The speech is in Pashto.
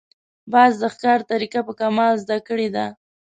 باز د ښکار طریقه په کمال زده کړې ده